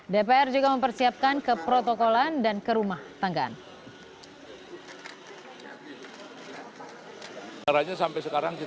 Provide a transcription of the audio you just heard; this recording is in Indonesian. dpr juga mempersiapkan keprotokolan dan kerumah tanggaan